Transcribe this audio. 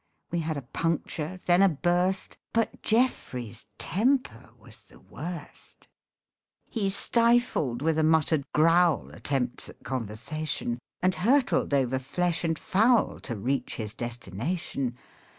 We had a puncture, then a burst, But Geoffrey's temper was the worst. MEN I MIGHT HAVE MARRIED He stifled with a muttered growl Attempts at conversation, And hurtled over flesh and fowl To reach his destination.